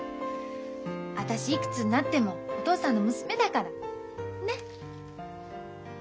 私いくつになってもお父さんの娘だから。ね？